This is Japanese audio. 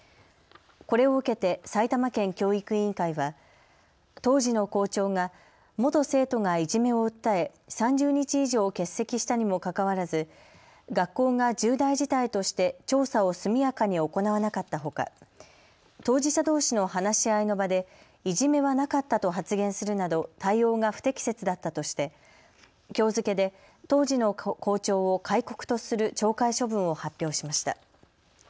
これを受けて埼玉県教育委員会は当時の校長が元生徒がいじめを訴え３０日以上欠席したにもかかわらず学校が重大事態として調査を速やかに行わなかったほか当事者どうしの話し合いの場でいじめはなかったと発言するなど対応が不適切だったとしてきょう付けで当時の校長を戒告とする懲戒処分を発表しました。